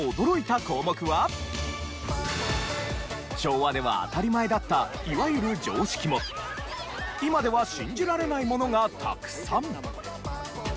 昭和では当たり前だったいわゆる常識も今では信じられないものがたくさん！